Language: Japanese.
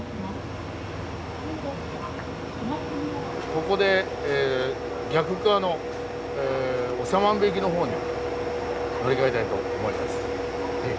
ここで逆側の長万部行きのほうに乗り換えたいと思います。